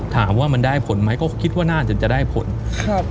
ถามว่ามันได้ผลไหมก็คิดว่าน่าจะจะได้ผลครับ